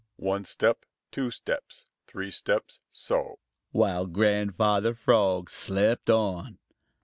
"One step, two steps, three steps, so!" while Grandfather Frog slept on.